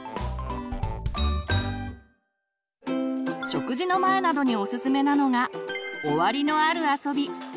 食事の前などにおすすめなのが「終わりのある遊び」。